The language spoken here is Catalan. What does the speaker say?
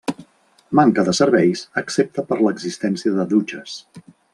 Manca de serveis excepte per l'existència de dutxes.